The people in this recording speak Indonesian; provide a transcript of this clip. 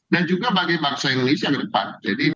dan juga bagi bangsa indonesia ke depan